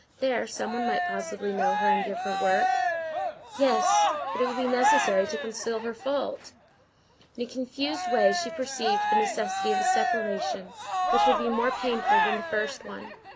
There, some one might possibly know her and give her work; yes, but it would be necessary to conceal her fault. In a confused way she perceived the necessity of a separation which would be more painful than the first one.